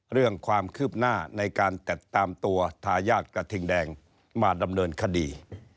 เรื่องความคืบหน้าในการติดตามตัวทายาทกระทิงแดงมาดำเนินคดี